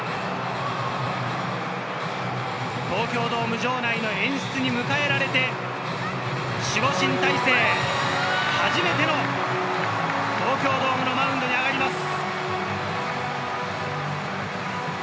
東京ドーム場内の演出に迎えられて、守護神・大勢、初めての東京ドームのマウンドに上がります。